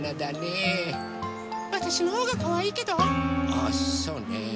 あっそうね。